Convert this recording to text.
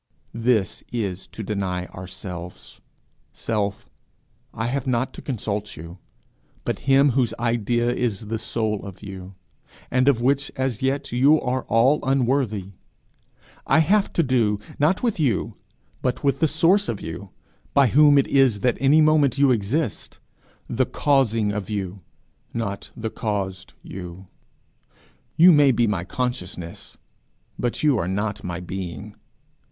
This is to deny ourselves. 'Self, I have not to consult you, but him whose idea is the soul of you, and of which as yet you are all unworthy. I have to do, not with you, but with the source of you, by whom it is that any moment you exist the Causing of you, not the caused you. You may be my consciousness, but you are not my being.